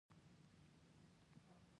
د ریګ دښتې د سیمو ښکلا ده.